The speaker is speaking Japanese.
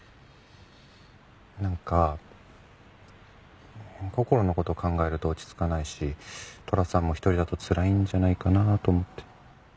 なんかこころの事考えると落ち着かないし寅さんも一人だとつらいんじゃないかなと思って。